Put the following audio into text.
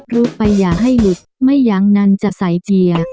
รูปไปอย่าให้หลุดไม่อย่างนั้นจะใส่เจีย